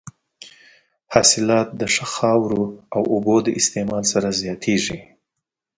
حاصلات د ښه خاورو او اوبو د استعمال سره زیاتېږي.